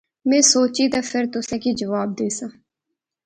میں سوچی تے فیر تساں کی جواب دیساں